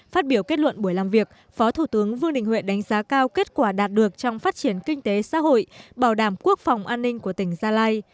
phát biểu kết luận buổi làm việc phó thủ tướng vương đình huệ đánh giá cao kết quả đạt được trong phát triển kinh tế xã hội bảo đảm quốc phòng an ninh của tỉnh gia lai